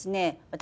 私